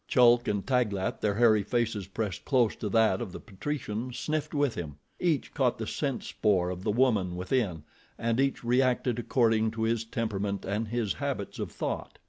Chulk and Taglat, their hairy faces pressed close to that of the patrician, sniffed with him. Each caught the scent spoor of the woman within, and each reacted according to his temperament and his habits of thought.